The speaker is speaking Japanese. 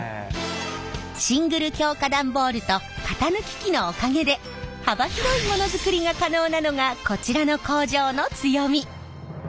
シングル強化段ボールと型抜き機のおかげで幅広いものづくりが可能なのがこちらの工場の強み。